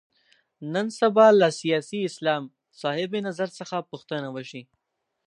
نن سبا له سیاسي اسلام صاحب نظر څخه پوښتنه وشي.